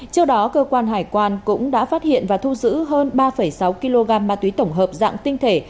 trước đó cơ quan hải quan cũng đã phát hiện và thu giữ hơn ba sáu kg ma túy tổng hợp dạng tinh thể